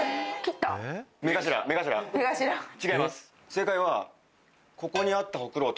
正解は。